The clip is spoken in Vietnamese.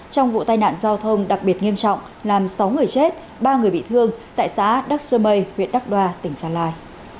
trong vụ tai nạn giao thông đặc biệt nghiêm trọng làm sáu người chết ba người bị thương tại xã đắc sơ mây huyện đắc đoa tỉnh gia lai